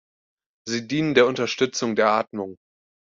Sie dienen der Unterstützung der Atmung.